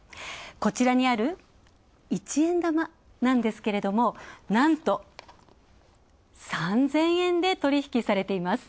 こちらにある一円玉なんですけどもなんと、３０００円で取引されています。